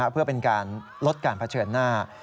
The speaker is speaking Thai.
เพื่อเป็นการลดการเผชิญหน้า